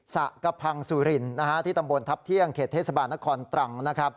สะกระพังสุรินที่ตำบลทัพเที่ยงเขตเทศบาลนครตรังนะครับ